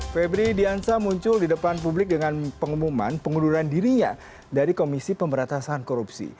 febri diansa muncul di depan publik dengan pengumuman pengunduran dirinya dari komisi pemberatasan korupsi